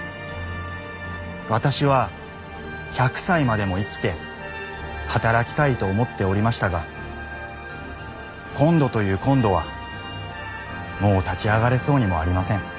私は１００歳までも生きて働きたいと思っておりましたが今度という今度はもう立ち上がれそうにもありません。